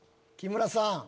木村さん。